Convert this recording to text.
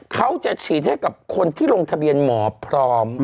เขาจะฉีดให้กับคนที่ลงทะเบียนหมอพร้อม